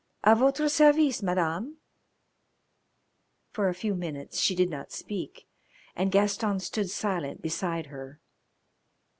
"A votre service, Madame." For a few minutes she did not speak, and Gaston stood silent beside her.